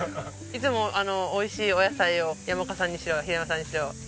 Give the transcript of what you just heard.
いつも美味しいお野菜を山岡さんにしろ平山さんにしろ頂いて。